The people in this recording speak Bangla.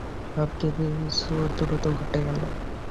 সব কিছু দ্রুত ঘটে গেল!